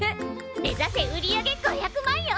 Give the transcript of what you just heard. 目指せ売り上げ５００万よ！